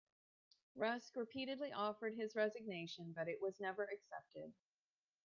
Rusk repeatedly offered his resignation, but it was never accepted.